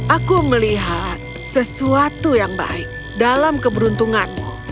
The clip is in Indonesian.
aku melihat sesuatu yang baik dalam keberuntunganmu